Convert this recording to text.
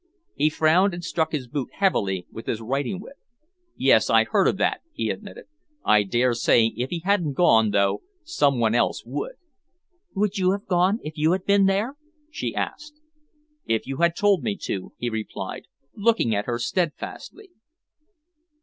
He frowned, and struck his boot heavily with his riding whip. "Yes, I heard of that," he admitted. "I dare say if he hadn't gone, though, some one else would." "Would you have gone if you had been there?" she asked. "If you had told me to," he replied, looking at her steadfastly.